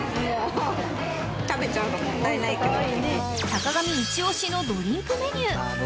［坂上一押しのドリンクメニュー］